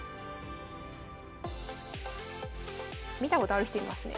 見たことある人いますね。